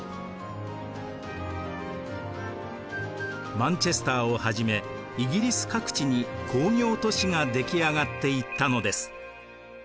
マンチェスターをはじめイギリス各地に工業都市が出来上がっていったのです。